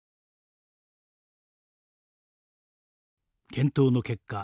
検討の結果